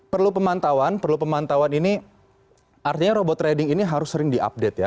perlu pemantauan perlu pemantauan ini artinya robot trading ini harus sering diupdate ya